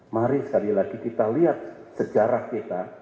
mari sekali lagi kita lihat sejarah kita